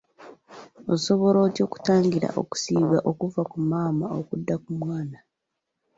Osobola otya okutangira okusiiga okuva ku maama okudda ku mwana?